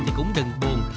thì cũng đừng buồn